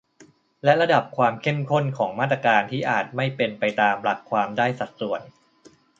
และระดับความเข้มข้นของมาตรการ ที่อาจไม่เป็นไปตามหลักความได้สัดส่วน